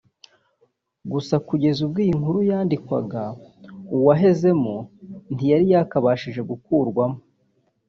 gusa kugeza ubwo iyi nkuru yandikwaga uwahezemo ntiyari yakabashije gukurwamo